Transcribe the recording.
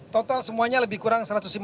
total semuanya lebih kurang